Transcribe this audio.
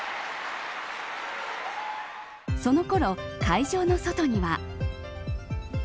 そのころ、会場の外には。